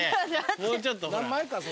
もうちょっとほら。